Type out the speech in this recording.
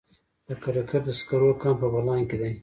د کرکر د سکرو کان په بغلان کې دی